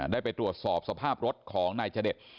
ได้ไปตรวจสอบสภาพรถของนายจเดช